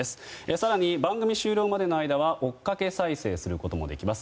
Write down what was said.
更に番組終了までの間は追っかけ再生することもできます。